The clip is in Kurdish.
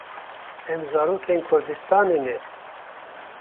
Em zarokên kurdistanê ne.